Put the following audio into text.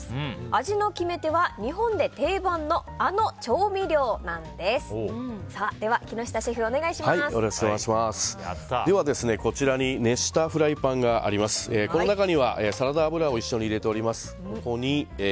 味の決め手は日本で定番のあの調味料なんです。